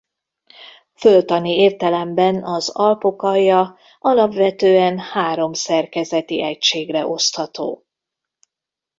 Földtani értelemben az Alpokalja alapvetően három szerkezeti egységre osztható.